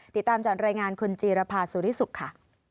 ติดตามจากรายงานคุณจีรภาสุริสุขค่ะ